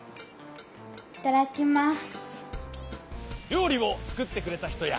いただきます。